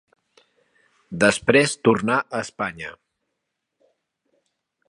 Després tornà a Espanya.